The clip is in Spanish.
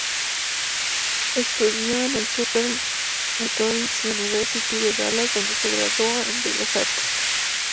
Estudió en la Southern Methodist University de Dallas, donde se graduó en Bellas artes.